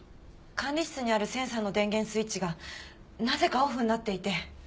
管理室にあるセンサーの電源スイッチがなぜかオフになっていて。